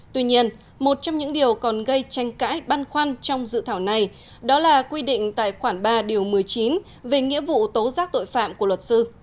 tuy nhiên một trong những điều còn gây tranh cãi băn khoăn trong dự thảo này đó là quy định tài khoản ba điều một mươi chín về nghĩa vụ tố giác tội phạm của luật sư